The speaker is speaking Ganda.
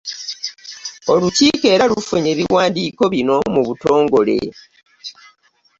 Olukiiko era lufunye ebiwandiiko bino mu butongole.